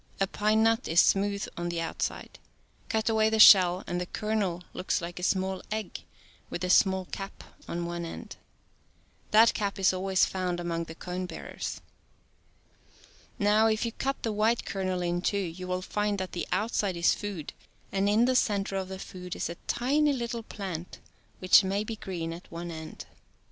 A pine nut is smooth on the outside. Cut away the shell, and the kernel looks like a small egg with a small cap on one end. That cap is always found among the cone bearers. Now, if you cut the white kernel in two, you will find that the outside is food, and in the center of the food is a tiny little plant, which may be green at one end {Fig.